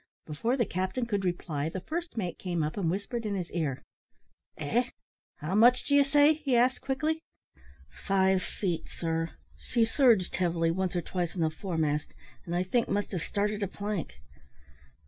Before the captain could reply, the first mate came up and whispered in his ear. "Eh! how much d'ye say?" he asked quickly. "Five feet, sir; she surged heavily once or twice on the foremast, and I think must have started a plank."